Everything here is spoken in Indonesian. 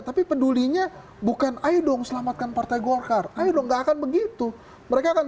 tapi pedulinya bukan ayo dong selamatkan partai golkar ayo dong nggak akan begitu mereka akan